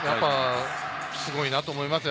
すごいなと思いますよ。